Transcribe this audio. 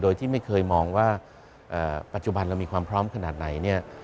โดยที่ไม่เคยมองว่าปัจจุบันเรามีความพร้อมขนาดไหนเนี่ย